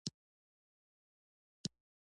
د مړینې علت یې چاته معلوم نه شو.